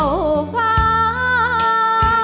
จูบลูกหลายเท่าโยม